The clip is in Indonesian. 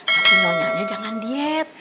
tapi nanya nyanya jangan diet